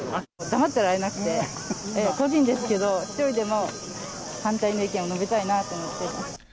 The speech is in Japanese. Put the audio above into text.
黙ってられなくて、個人ですけど、１人でも反対の意見を述べたいなと思って。